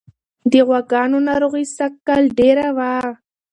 د غواګانو ناروغي سږکال ډېره وه.